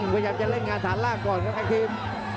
พยายามจะเล่นงานฐานล่างก่อนครับแค่ทีม